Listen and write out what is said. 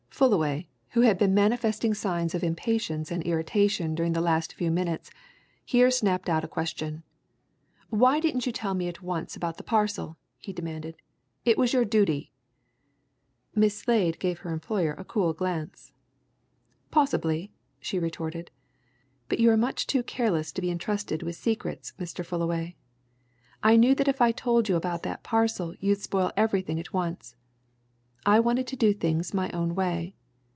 Fullaway, who had been manifesting signs of impatience and irritation during the last few minutes, here snapped out a question. "Why didn't you tell me at once about the parcel?" he demanded. "It was your duty!" Miss Slade gave her employer a cool glance. "Possibly!" she retorted. "But you are much too careless to be entrusted with secrets, Mr. Fullaway. I knew that if I told you about that parcel you'd spoil everything at once. I wanted to do things my own way.